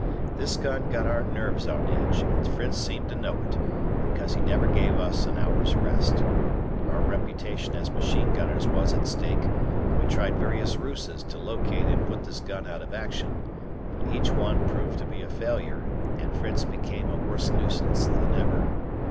This gun got our nerves on edge, and Fritz seemed to know it, because he never gave us an hour's rest. Our reputation as machine gunners was at stake; we tried various ruses to locate and put this gun out of action, but each one proved to be a failure, and Fritz became a worse nuisance than ever.